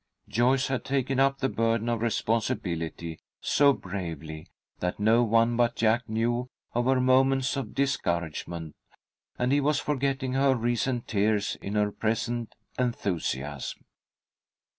Joyce had taken up the burden of responsibility so bravely that no one but Jack knew of her moments of discouragement, and he was forgetting her recent tears in her present enthusiasm.